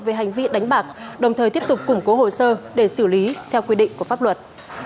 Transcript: về hành vi đánh bạc đồng thời tiếp tục củng cố hồ sơ để xử lý theo quy định của pháp luật